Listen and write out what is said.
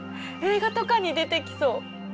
映画とかに出てきそう。